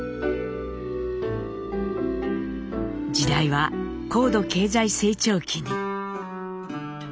時代は高度経済成長期に。